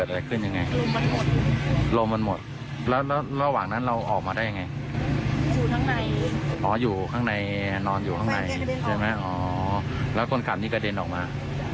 แล้วคนขับนี่กระเด็นออกมา